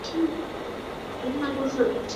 因此也可以称其为水环境。